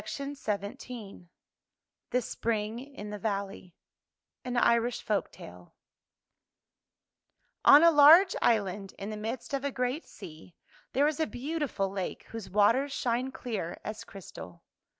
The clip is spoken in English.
[ 182 ] THE SPRING IN THE VALLEY O N a large island, in the midst of a great sea, there is a beautiful lake whose waters shine clear as crystal.